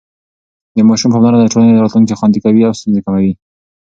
د ماشوم پاملرنه د ټولنې راتلونکی خوندي کوي او ستونزې کموي.